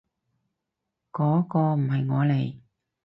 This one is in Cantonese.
嗰個唔係我嚟